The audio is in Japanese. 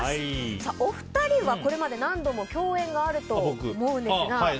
お二人はこれまで何度も共演があると思うんですが。